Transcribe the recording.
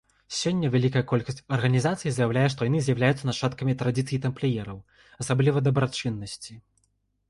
Сёння вялікая колькасць арганізацый заяўляе, што яны з'яўляюцца нашчадкамі традыцый тампліераў, асабліва дабрачыннасці.